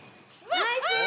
ナイス！